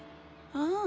ああ。